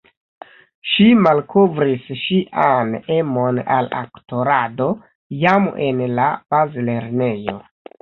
Ŝi malkovris ŝian emon al aktorado jam en la bazlernejo.